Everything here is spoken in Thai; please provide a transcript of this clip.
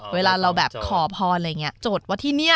เวลาเราแบบขอพรไรงี้จดว่าที่นี่